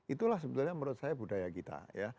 itulah sebetulnya menurut saya budaya kita ya